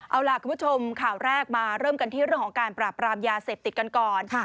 เอาล่ะคุณผู้ชมข่าวแรกมาเริ่มกันที่เรื่องของการปราบรามยาเสพติดกันก่อน